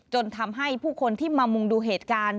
จนทำให้ผู้คนที่มามุงดูเหตุการณ์